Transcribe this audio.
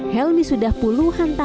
helmy sudah puluhan tahun berpengalaman